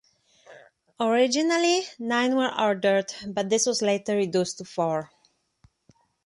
Originally nine were ordered but this was later reduced to four.